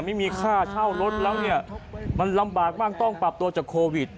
ไม่มีค่าเช่ารถแล้วเนี่ยมันลำบากมากต้องปรับตัวจากโควิด